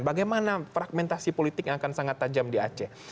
bagaimana fragmentasi politik yang akan sangat tajam di aceh